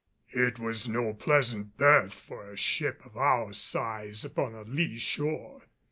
It was no pleasant berth for a ship of our size upon a lee shore.